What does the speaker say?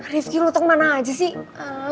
rifki lo tau mana aja sih